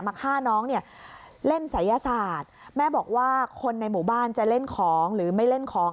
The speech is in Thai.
ฆ่าน้องเนี่ยเล่นศัยศาสตร์แม่บอกว่าคนในหมู่บ้านจะเล่นของหรือไม่เล่นของ